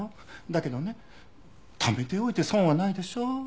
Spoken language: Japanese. だけどねためておいて損はないでしょ。